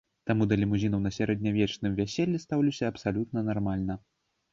Таму да лімузінаў на сярэднявечным вяселлі стаўлюся абсалютна нармальна.